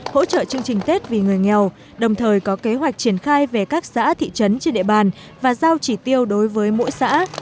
hỗ trợ chương trình tết vì người nghèo đồng thời có kế hoạch triển khai về các xã thị trấn trên địa bàn và giao chỉ tiêu đối với mỗi xã